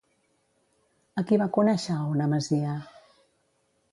A qui va conèixer a una masia?